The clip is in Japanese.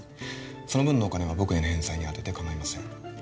その分のお金は僕への返済にあてて構いません